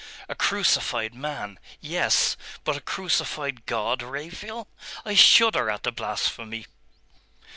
'A crucified man.... Yes. But a crucified God, Raphael! I shudder at the blasphemy.